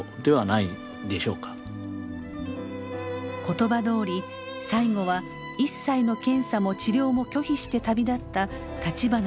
言葉どおり最後は一切の検査も治療も拒否して旅立った立花隆さん。